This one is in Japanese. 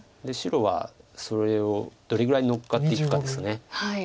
白はそれをどれぐらい乗っかっていくかです。